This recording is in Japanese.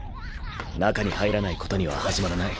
中に入らないことには始まらない。